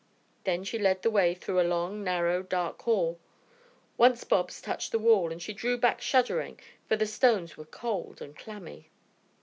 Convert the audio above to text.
Then she led the way through a long, narrow, dark hall. Once Bobs touched the wall and she drew back shuddering, for the stones were cold and clammy.